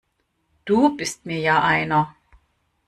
Du bist mir ja einer!